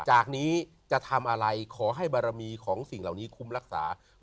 จากนี้จะทำอะไรขอให้บารมีของสิ่งเหล่านี้คุ้มรักษา